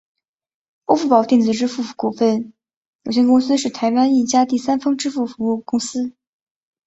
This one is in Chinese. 欧付宝电子支付股份有限公司是台湾一家第三方支付服务公司。